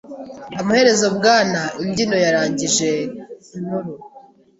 Amaherezo Bwana Imbyino yarangije inkuru.